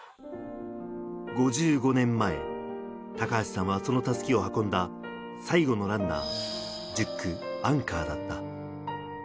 ５５年前、高橋さんはその襷を運んだ最後のランナー、１０区アンカーだった。